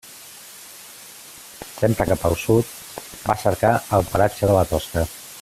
Sempre cap al sud, va a cercar el paratge de la Tosca.